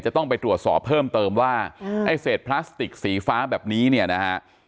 จะต้องไปตรวจสอบเพิ่มเติมว่าไอ้เศษพลาสติกสีฟ้าแบบนี้เนี่ยนะฮะ